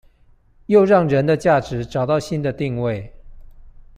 又讓人的價值找到新的定位